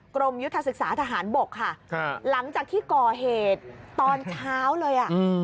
กรมยุทธศึกษาทหารบกค่ะหลังจากที่ก่อเหตุตอนเช้าเลยอ่ะ